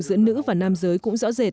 giữa nữ và nam giới cũng rõ rệt